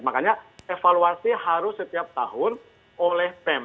makanya evaluasi harus setiap tahun oleh pem